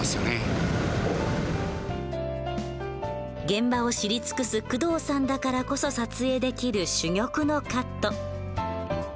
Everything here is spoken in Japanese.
現場を知り尽くす工藤さんだからこそ撮影できる珠玉のカット。